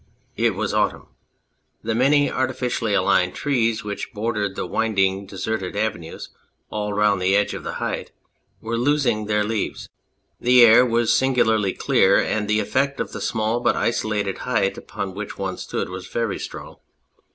It was autumn ; the many artificially aligned trees which bordered the winding, deserted avenues all round the edge of the height were losing their leaves ; the air was singularly clear, and the effect of the small but isolated height upon which one stood was very strong.